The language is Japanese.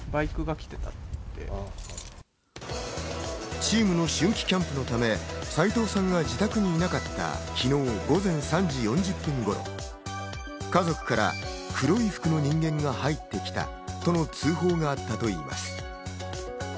チームの春季キャンプのため、斎藤さんが自宅にいなかった昨日、午前３時４０分頃、家族から、黒い服の人間が入ってきたとの通報があったといいます。